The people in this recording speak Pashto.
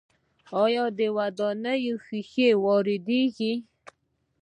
آیا د ودانیو ښیښې وارد کیږي؟